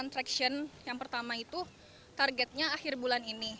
dan kontraksi yang pertama itu targetnya akhir bulan ini